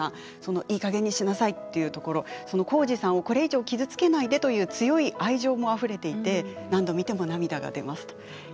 いいかげんにしなさいと言うところ耕治さんをこれまで傷つけないでという強い愛情もあふれていて何度見ても涙が出ます。